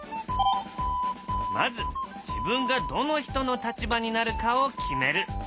まず自分がどの人の立場になるかを決める。